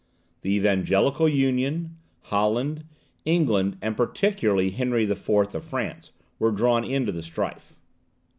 The Evangelical Union, Holland, England, and particularly Henry IV. of France, were drawn into the strife.